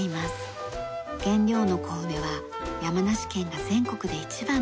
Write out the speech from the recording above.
原料の小梅は山梨県が全国で一番の生産量です。